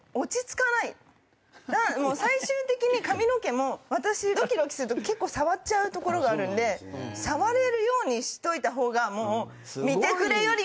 最終的に髪の毛も私ドキドキすると結構触っちゃうところがあるんで触れるようにしといた方がもう。